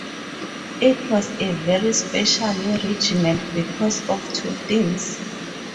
It was a very special regiment because of two things.